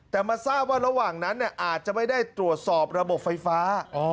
แต่มาทราบว่าระหว่างนั้นอาจจะไม่ได้ตรวจสอบระบบไฟฟ้า